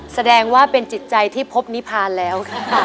แสดงว่าเป็นจิตใจที่พบนิพานแล้วค่ะ